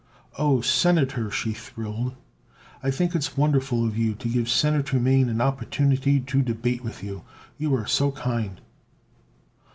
"Oh, Senator," she thrilled, "I think it's wonderful of you to give Senator Mane an opportunity to debate with you. You are so kind!"